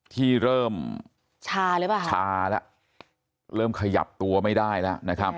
ที่เริ่มชาหรือเปล่าคะชาแล้วเริ่มขยับตัวไม่ได้แล้วนะครับ